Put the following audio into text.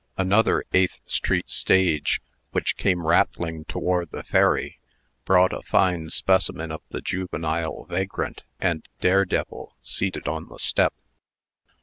Another Eighth street stage, which came rattling toward the ferry, brought a fine specimen of the juvenile vagrant and dare devil, seated on the step.